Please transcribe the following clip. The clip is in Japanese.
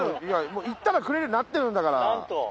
いやもういったらくれるようになってるんだから！